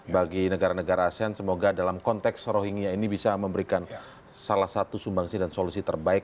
bagi negara negara asean semoga dalam konteks rohingya ini bisa memberikan salah satu sumbangsi dan solusi terbaik